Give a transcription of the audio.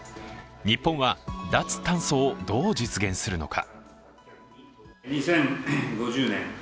日本は脱炭素をどう実現するのか。